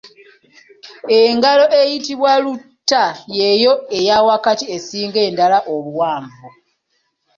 Engalo eyitibwa luta y’eyo eya wakati esinga endala obuwanvu.